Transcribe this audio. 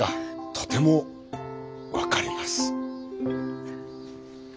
とても分かります。